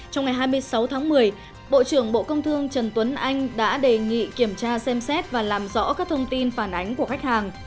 trong ngày hai mươi sáu tháng một mươi bộ trưởng bộ công thương trần tuấn anh đã đề nghị kiểm tra xem xét và làm rõ các thông tin phản ánh của khách hàng